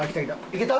いけた？